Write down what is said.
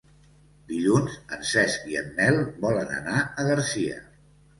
Dilluns en Cesc i en Nel volen anar a Garcia.